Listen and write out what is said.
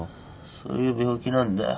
そういう病気なんだよ。